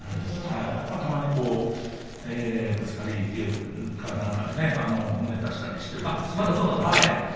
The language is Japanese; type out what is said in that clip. たまにぶつかり稽古なんかで胸を出しているんですけどね。